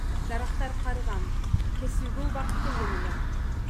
Дарактар карыган, кесүүгө убакыт келген эле.